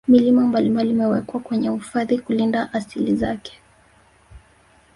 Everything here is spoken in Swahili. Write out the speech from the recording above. Milima mbalimbali imewekwa kwenye uhifadhi kulinda asili zake